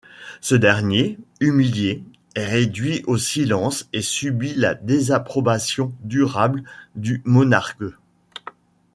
Ce dernier, humilié, est réduit au silence et subit la désapprobation durable du monarque.